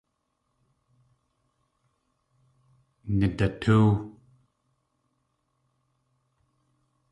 Nidatóow!